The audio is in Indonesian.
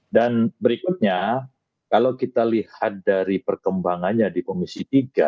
dan berikutnya kalau kita lihat dari perkembangannya di komisi tiga